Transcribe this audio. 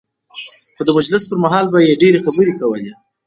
خو د مجلس پر مهال به ډېرې خبرې کولې.